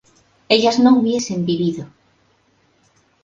ellas no hubiesen vivido